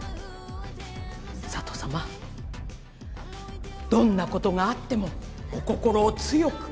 佐都さまどんなことがあってもお心を強く。